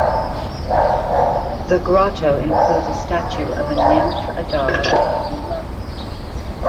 The grotto includes a statue of a nymph, a dog, and a dragon.